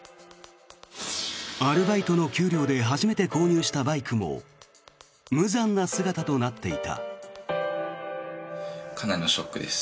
アルバイトの給料で初めて購入したバイクも無残な姿となっていた。